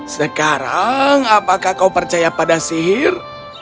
sekarang apakah kau percaya pada sihir